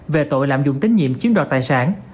về tội lạm dụng tín nhiệm chiếm đoạt tài sản